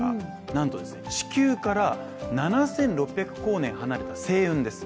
なんと地球から７６００光年離れた星雲です。